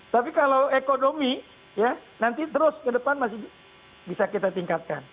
tapi kalau ekonomi ya nanti terus ke depan masih bisa kita tingkatkan